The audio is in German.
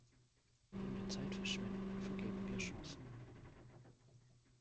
Wenn wir Zeit verschwenden, vergeben wir Chancen.